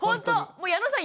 もう矢野さん